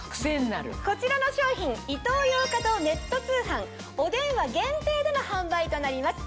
こちらの商品イトーヨーカドーネット通販お電話限定での販売となります。